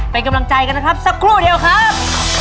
เป็นกำลังใจกันนะครับสักครู่เดียวครับ